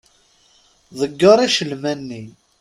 Ḍegger icelman-nni.